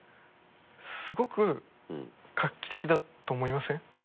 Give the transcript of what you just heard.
すごく画期的だと思いません？